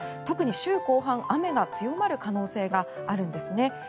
特に週後半、雨が強まる可能性があるんですね。